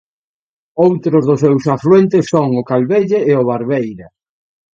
Outros dos seus afluentes son o Calvelle e o Barbeira.